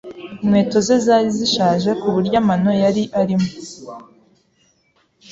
Inkweto ze zari zishaje ku buryo amano yari arimo.